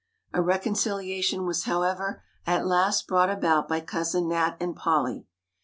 A reconciliation was however at last brought about by cousin Nat and Polly.